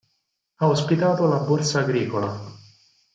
Ha ospitato la Borsa Agricola.